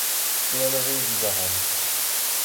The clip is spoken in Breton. E anavezout a ran.